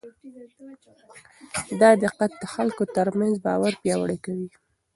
دا دقت د خلکو ترمنځ باور پیاوړی کوي.